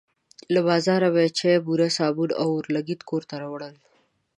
له بازاره به یې چای، بوره، صابون او اورلګیت کور ته وړل.